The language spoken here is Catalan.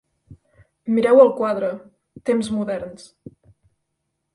Mireu el quadre, temps moderns.